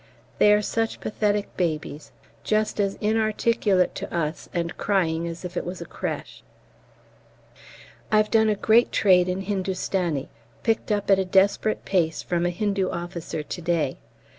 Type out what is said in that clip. They are such pathetic babies, just as inarticulate to us and crying as if it was a crêche. I've done a great trade in Hindustani, picked up at a desperate pace from a Hindu officer to day!